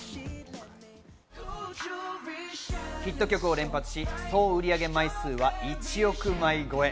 ヒット曲を連発し、総売上枚数は１億枚超え。